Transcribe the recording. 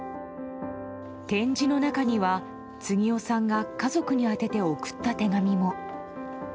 展示の中には次男さんが家族に宛てて送った手紙も。